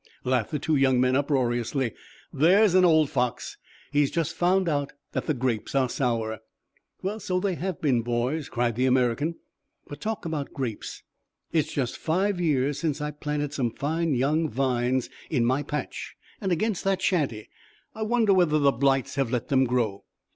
laughed the two young men uproariously. "There's an old fox. He has just found out that the grapes are sour." "Well, so they have been, boys," cried the American. "But talk about grapes, it's just five years since I planted some fine young vines in my patch and against the shanty. I wonder whether the blights have let them grow.